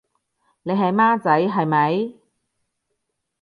你係孻仔係咪？